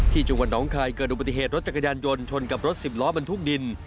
ที่จังหวัดน้องคายเกิดอุบัติเหตุรถจักรยานยนต์ชนกับรถสิบล้อบรรทุกดิน